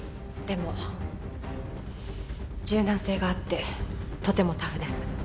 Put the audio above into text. でも柔軟性があってとてもタフです。